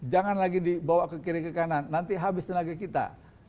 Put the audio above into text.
jangan lagi dibawa ke kiri ke kanan nanti habis tenaga kita